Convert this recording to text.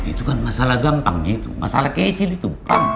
itu kan masalah gampang gitu masalah kecil itu